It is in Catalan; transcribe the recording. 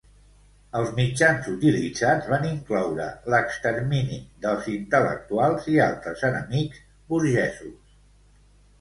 Els mitjans utilitzats van incloure l'extermini dels intel·lectuals i altres enemics burgesos.